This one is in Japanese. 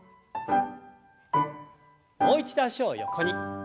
もう一度脚を横に。